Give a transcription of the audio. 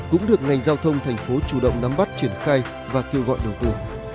cũng được ngành giao thông thành phố chủ động nắm bắt triển khai và kêu gọi đầu vụ